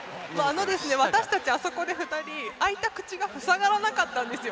私たちあそこで２人開いた口が塞がらなかったんですよ。